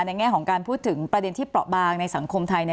แง่ของการพูดถึงประเด็นที่เปราะบางในสังคมไทย